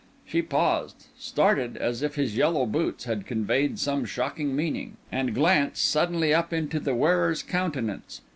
She paused—started, as if his yellow boots had conveyed some shocking meaning—and glanced suddenly up into the wearer's countenance.